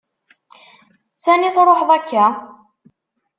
S ani truḥeḍ akka?